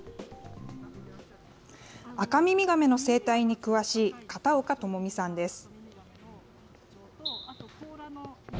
アカミミガメの生態に詳しい、片岡友美さんです。